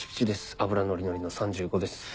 脂のりのりの３５です。